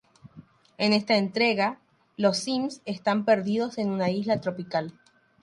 En esta entrega, los sims están perdidos en una isla tropical.